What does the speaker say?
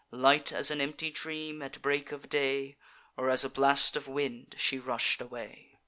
Light as an empty dream at break of day, Or as a blast of wind, she rush'd away.